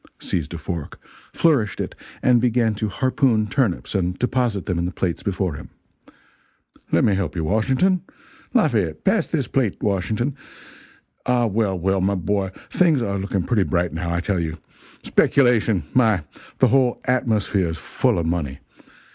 seized a fork, flourished it and began to harpoon turnips and deposit them in the plates before him "Let me help you, Washington Lafayette, pass this plate to Washington ah, well, well, my boy, things are looking pretty bright, now, I tell you. Speculation my! the whole atmosphere's full of money.